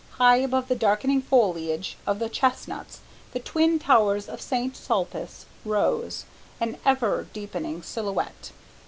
High above the darkening foliage of the chestnuts the twin towers of St. Sulpice rose, an ever deepening silhouette.